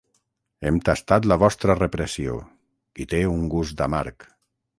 Hem tastat la vostra repressió i té un gust amarg.